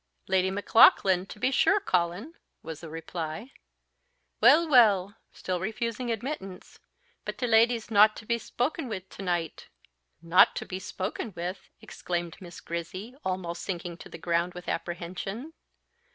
"Lady Maclaughlan, to be sure, Colin," was the reply. "Weel, weel," still refusing admittance; "but te leddie's no to be spoken wi' to night." "Not to be spoken with!" exclaimed Miss Grizzy, almost sinking to the ground with apprehension.